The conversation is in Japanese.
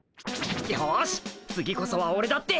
よし次こそはオレだって。